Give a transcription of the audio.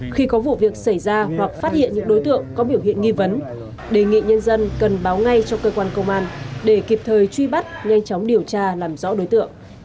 khi có vụ việc xảy ra hoặc phát hiện những đối tượng có biểu hiện nghi vấn đề nhân dân cần báo ngay cho cơ quan công an để kịp thời truy bắt nhanh chóng điều tra làm rõ đối tượng